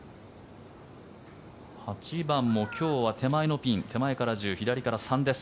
８番も今日は手前のピン手前から１０左から３です。